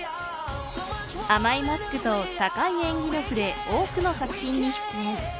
甘いマスクと高い演技力で多くの作品に出演。